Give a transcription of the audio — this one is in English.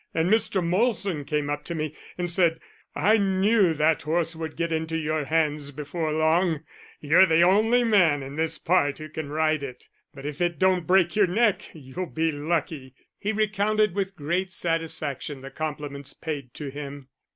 And Mr. Molson came up to me and said, 'I knew that horse would get into your hands before long, you're the only man in this part who can ride it but if it don't break your neck, you'll be lucky.'" He recounted with great satisfaction the compliments paid to him.